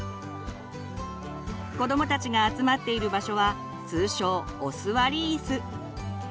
子どもたちが集まっている場所は通称「お座りイス」。